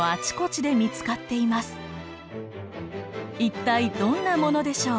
一体どんなものでしょう。